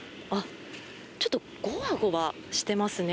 ちょっとゴワゴワしていますね。